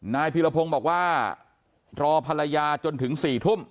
พีรพงศ์บอกว่ารอภรรยาจนถึง๔ทุ่ม